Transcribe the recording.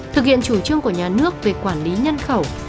thực hiện chủ trương của nhà nước về quản lý nhân khẩu